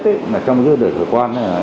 trong giới đời cơ quan